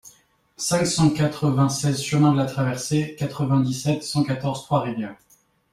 cinq cent quatre-vingt-seize chemin de la Traversée, quatre-vingt-dix-sept, cent quatorze, Trois-Rivières